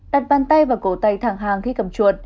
đặt bàn tay và cổ tay thẳng hàng khi cầm chuột